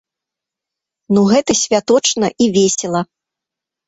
Ну гэта святочна і весела.